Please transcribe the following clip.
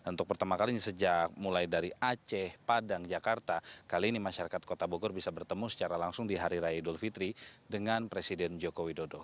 untuk pertama kalinya sejak mulai dari aceh padang jakarta kali ini masyarakat kota bogor bisa bertemu secara langsung di hari raya idul fitri dengan presiden joko widodo